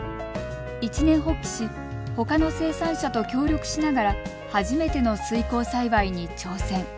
一念発起しほかの生産者と協力しながら初めての水耕栽培に挑戦。